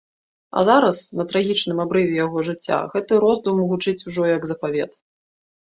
А зараз, на трагічным абрыве яго жыцця, гэты роздум гучыць ужо як запавет.